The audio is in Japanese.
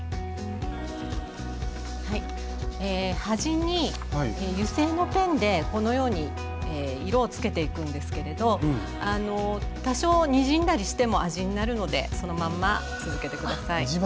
端に油性のペンでこのように色をつけていくんですけれど多少にじんだりしても味になるのでそのまんま続けて下さい。